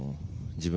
自分。